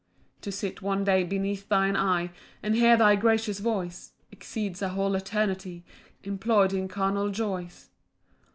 7 To sit one day beneath thine eye, And hear thy gracious voice, Exceeds a whole eternity Employ'd in carnal joys.